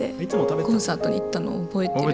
コンサートに行ったの覚えてる？